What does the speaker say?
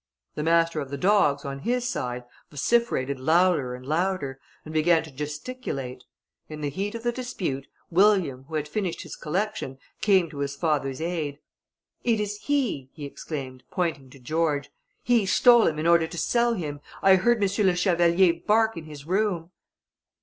The master of the dogs, on his side, vociferated louder and louder, and began to gesticulate. In the heat of the dispute, William, who had finished his collection, came to his father's aid. "It is he," he exclaimed, pointing to George; "he stole him in order to sell him; I heard M. le Chevalier bark in his room."